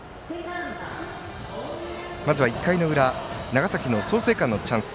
まずは１回の裏長崎の創成館のチャンス。